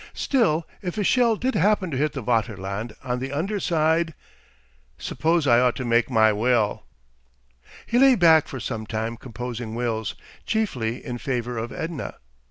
Still, if a shell did happen to hit the Vaterland on the underside!... "S'pose I ought to make my will." He lay back for some time composing wills chiefly in favour of Edna.